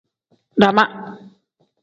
Dama.